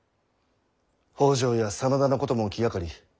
北条や真田のことも気がかり。